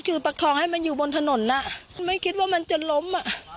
คือประคองให้มันอยู่บนถนนอ่ะไม่คิดว่ามันจะล้มอ่ะ